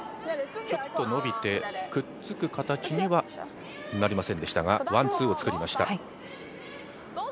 ちょっと伸びてくっつく形にはなりませんでしたがワン、ツーを作りました。